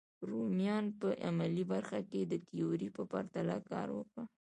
رومیانو په عملي برخه کې د تیوري په پرتله کار وکړ.